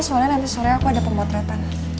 soalnya nanti sore aku ada pemotretan